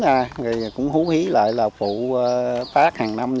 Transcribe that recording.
rồi cũng hú hí lại là phụ tác hàng năm